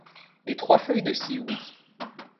Les trois feuilles de scie, oui.